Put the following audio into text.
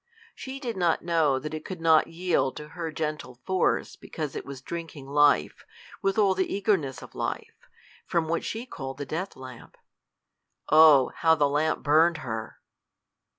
She did not know that it could not yield to her gentle force because it was drinking life, with all the eagerness of life, from what she called the death lamp. Oh, how the lamp burned her!